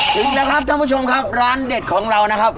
จริงแล้วครับท่านผู้ชมครับร้านเด็ดของเรานะครับ